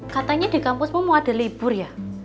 katanya di kampusmu mau ada libur ya